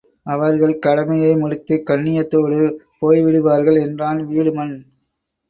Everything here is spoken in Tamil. அவர்கள் கடமையை முடித்துக் கண்ணியத்தோடு போய்விடுவார்கள் என்றான் வீடுமன்.